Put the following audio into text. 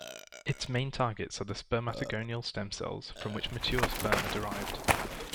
Its main targets are the spermatogonial stem cells, from which mature sperm are derived.